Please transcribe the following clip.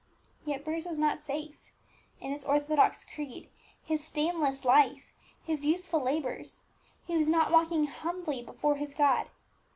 Yet Bruce was not safe in his orthodox creed, his stainless life, his useful labours; he was not walking humbly before his God.